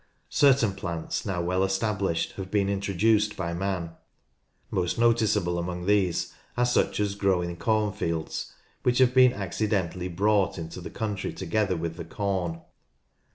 Certain plants now well established have been intro duced by man. Most noticeable among these are such as grow in cornfields, which have been accidentally brought NATURAL HISTORY 71 into the country together with the corn.